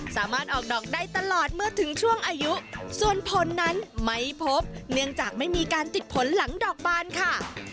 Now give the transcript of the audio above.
สามารถออกดอกได้ตลอดเมื่อถึงช่วงอายุส่วนผลนั้นไม่พบเนื่องจากไม่มีการติดผลหลังดอกบานค่ะ